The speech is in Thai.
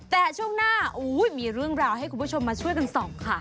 แต่ช่วงหน้ามีเรื่องราวให้คุณผู้ชมมาช่วยกันส่องค่ะ